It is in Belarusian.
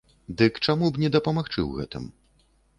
Дык чаму б не дапамагчы ў гэтым?